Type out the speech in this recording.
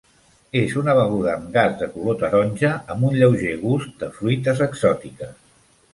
És una beguda amb gas de color taronja amb un lleuger gust de fruites exòtiques.